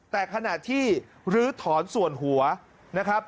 แต่ขณะที่ลื้อถอนส่วนหัวนะครับ